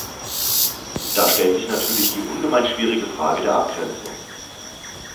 Da stellt sich natürlich die ungemein schwierige Frage der Abgrenzung.